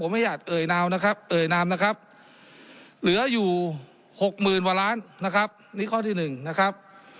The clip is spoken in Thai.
ผมไม่อยากเอ่ยนามนะครับเหลืออยู่๖๐๐๐๐บาทล้านบาทนะครับนี่ข้อที่๑นะครับ